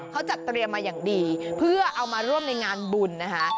เขาจัดเตรียมมาอย่างดีเพื่อเอามาร่วมในงานบุญนะคะ